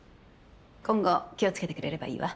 今後気を付けてくれればいいわ。